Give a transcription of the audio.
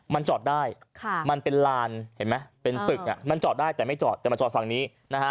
มันจอดได้มันเป็นลานเห็นไหมเป็นตึกมันจอดได้แต่ไม่จอดแต่มาจอดฝั่งนี้นะฮะ